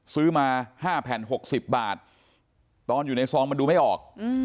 ซื้อมา๕แผ่น๖๐บาทตอนอยู่ในซองมันดูไม่ออก